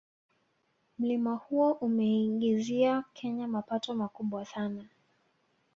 Mlima huo umeiingizia kenya mapato makubwa sana